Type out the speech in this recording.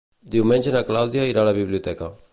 Diumenge na Clàudia irà a la biblioteca.